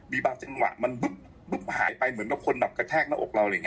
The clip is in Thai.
มีบางจังหวะมันหายไปเหมือนกับคนกระแทกในอกเรา